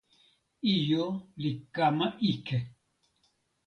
ijo li kama ike.